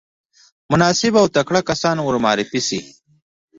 مناسب او تکړه کسان ورمعرفي شي.